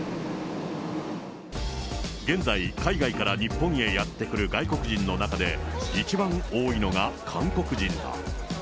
現在、海外から日本へやって来る外国人の中で、一番多いのが韓国人だ。